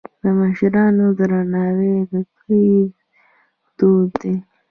د مشرانو درناوی د دوی دود دی.